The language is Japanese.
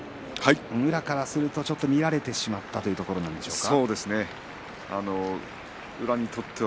宇良からするとちょっと見られてしまったというところでしょうか。